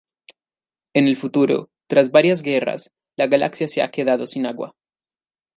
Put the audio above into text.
En el futuro, tras varias guerras, la galaxia se ha quedado sin agua.